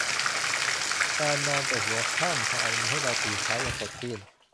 การนอนแต่หัวค่ำ ทำให้เราตื่นเช้า อย่างสดชื่น